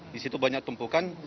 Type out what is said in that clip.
di situ banyak tumpukan